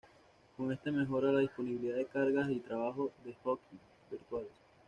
Con esto mejora la disponibilidad de las cargas de trabajo y hosts virtuales.